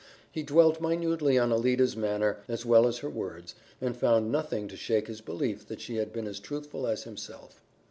He dwelt minutely on Alida's manner, as well as her words, and found nothing to shake his belief that she had been as truthful as himself.